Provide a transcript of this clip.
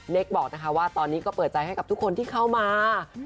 บอกนะคะว่าตอนนี้ก็เปิดใจให้กับทุกคนที่เข้ามา